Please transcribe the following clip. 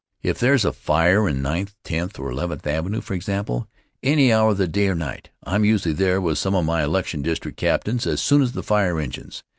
If there's a fire in Ninth, Tenth, or Eleventh Avenue, for example, any hour of the day or night, I'm usually there with some of my election district captains as soon as the fire engines.